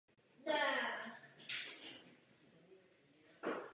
Pět let trvající obnovu zahájil již následujícího roku architekt Pavel Ignác Bayer.